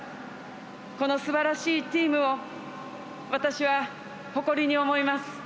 このすばらしいチームを私は誇りに思います。